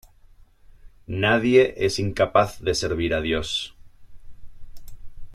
Nadie es incapaz de servir a Dios.